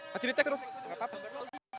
kasih detect terus